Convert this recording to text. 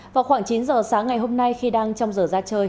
vào khoảng chín giờ sáng ngày hôm nay khi đang trong giờ ra chơi